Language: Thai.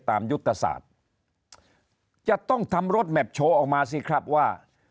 ยุทธศาสตร์จะต้องทำรถแมพโชว์ออกมาสิครับว่า